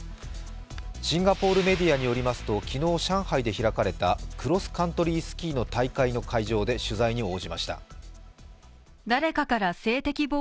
シンガポールメディアによりますと昨日、上海で開かれたクロスカントリースキーの大会の会場で取材に応じました。